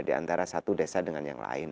di antara satu desa dengan yang lain